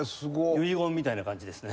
遺言みたいな感じですね。